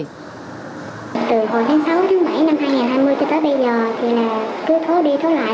từ hồi tháng sáu tháng bảy năm hai nghìn hai mươi cho tới bây giờ thì là cứ thố đi thố lại